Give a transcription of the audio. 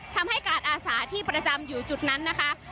ทำให้การอาสาที่ประจำอยู่จุดนั้นนะคะ